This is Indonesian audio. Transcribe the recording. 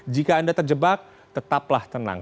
jika anda terjebak tetaplah tenang